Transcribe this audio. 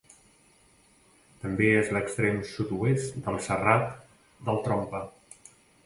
També és a l'extrem sud-oest del Serrat del Trompa.